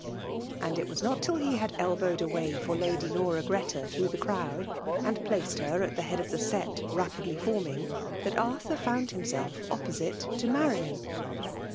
And it was not till he had elbiMed « nay far Lady LaoEra Greta through the cnsnrd, and placed her at the head of the net xaputty fann ing, that Arthur loond himarif oppoaite to llariaa.